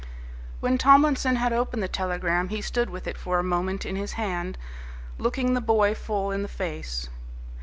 When Tomlinson had opened the telegram he stood with it for a moment in his hand, looking the boy full in the face.